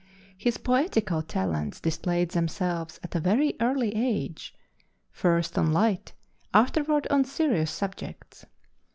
His poetical talents displayed themselves at a very early age, first on light, afterward on serious subjects.